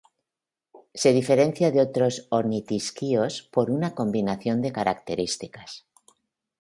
Se diferencia de otros ornitisquios por una combinación de características.